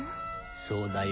・そうだよ